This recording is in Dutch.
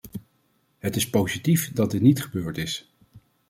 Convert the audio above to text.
Het is positief dat dit niet gebeurd is.